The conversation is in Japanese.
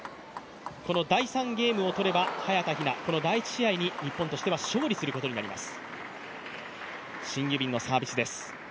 この第３ゲームをとれば早田ひな、第１試合に日本は勝利することになります。